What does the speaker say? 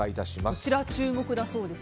こちらが注目だそうです。